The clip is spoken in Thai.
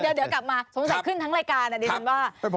เดี๋ยวเดี๋ยวกลับมาสมสัยขึ้นทั้งรายการอ่ะดินว่า